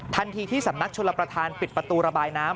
ทันทีที่สำนักชลประธานปิดประตูระบายน้ำ